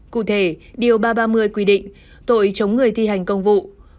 cụ thể điều ba trăm ba mươi quy định tội chống người thi hành công vụ